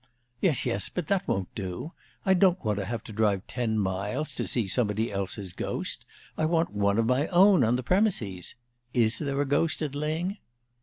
"Yes, yes; but that won't do. I don't want to have to drive ten miles to see somebody else's ghost. I want one of my own on the premises. Is there a ghost at Lyng?"